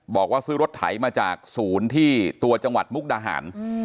บอกว่าซื้อรถไถมาจากศูนย์ที่ตัวจังหวัดมุกดาหาร